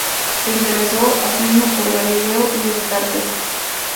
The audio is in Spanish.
Se interesó asimismo por Galileo y Descartes.